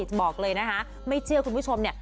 จะบอกเลยนะคะไม่เชื่อคุณผู้ชมเนี่ย